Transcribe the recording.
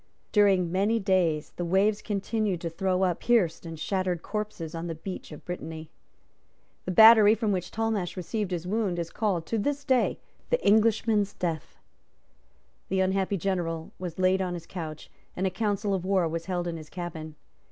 During many days the waves continued to throw up pierced and shattered corpses on the beach of Brittany. The battery from which Talmash received his wound is called, to this day, the Englishman's Death. The unhappy general was laid on his couch; and a council of war was held in his cabin.